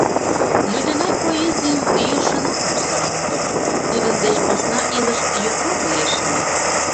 Мый тыгай поэзийым йӧршынат вурсаш ом тошт, тудын деч посна илыш йокрок лиеш ыле.